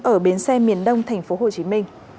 ở bến xe miền đông tp hcm